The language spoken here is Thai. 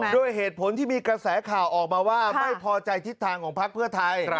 ด้วยเหตุผลที่มีกระแสข่าวออกมาว่าไม่พอใจทิศทางของพักเพื่อไทย